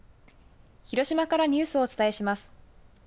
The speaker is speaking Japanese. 広島からニュースをお伝えします。